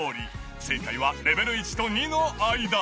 正解はレベル１と２の間。